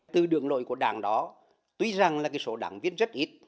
từ đường nội của đảng đó tuy rằng là số đảng viên rất ít